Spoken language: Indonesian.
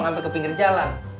sampai ke pinggir jalan